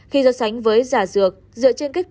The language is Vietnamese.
khi do sánh với giả dược dựa trên kết quả